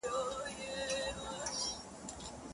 په کتاب کي څه راغلي راته وایه ملاجانه -